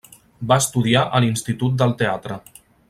Va estudiar a l'Institut del Teatre.